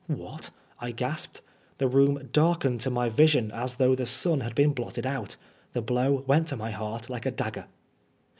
'"" What I" I gasped. The room darkened to my vision as though the sun had been blotted out. The blow went to my heart like a dagger.